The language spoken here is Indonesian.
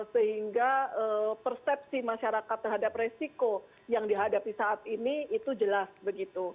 sehingga persepsi masyarakat terhadap resiko yang dihadapi saat ini itu jelas begitu